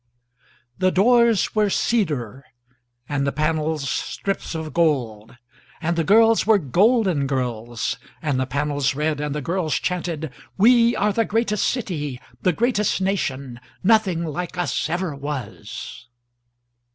2The doors were cedarand the panels strips of goldand the girls were golden girlsand the panels read and the girls chanted:We are the greatest city, the greatest nation:nothing like us ever was.